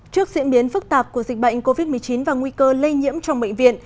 trước diễn biến phức tạp của dịch bệnh covid một mươi chín và nguy cơ lây nhiễm trong bệnh viện